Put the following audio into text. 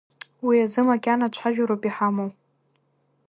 Уи азы макьана цәажәароуп иҳамоу.